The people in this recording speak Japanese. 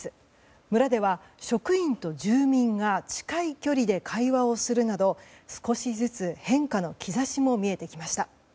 村では職員と住民が近い距離で会話をするなど少しずつ変化の兆しも見えてきました。